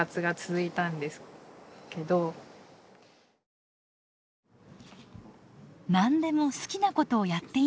「何でも好きなことをやっていいんだよ」。